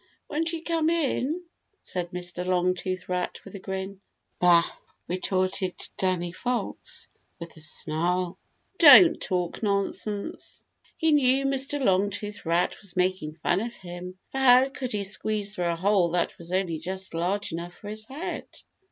"Won't you come in?" said Mr. Longtooth Rat with a grin. "Bah!" retorted Danny Fox with a snarl, "don't talk nonsense." He knew Mr. Longtooth Rat was making fun of him, for how could he squeeze through a hole that was only just large enough for his head?